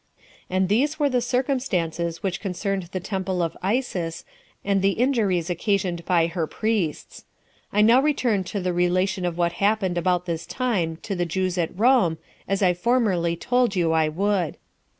And these were the circumstances which concerned the temple of Isis, and the injuries occasioned by her priests. I now return to the relation of what happened about this time to the Jews at Rome, as I formerly told you I would.